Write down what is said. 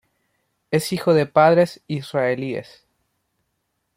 Es hijo de padres israelíes.